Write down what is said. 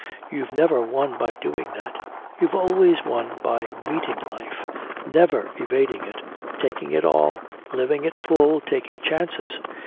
You've never won by doing that, you've always won by meeting life, never evading it, taking it all, living it full, taking chances!